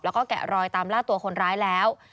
แล้วก็แกะรอยตามล่าตัวคนร้ายแล้ว